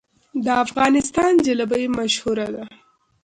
د افغانستان جلبي مشهوره ده